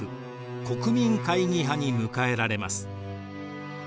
国民会議派に迎えられます。